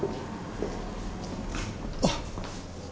あっ。